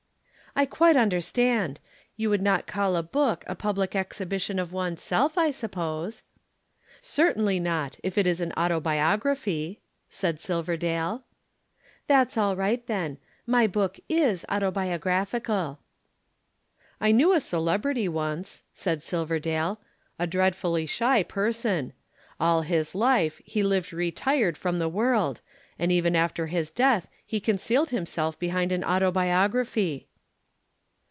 '" "I quite understand. You would not call a book a public exhibition of oneself, I suppose." "Certainly not if it is an autobiography," said Silverdale. "That's all right then. My book is autobiographical." "I knew a celebrity once," said Silverdale, "a dreadfully shy person. All his life he lived retired from the world, and even after his death he concealed himself behind an autobiography."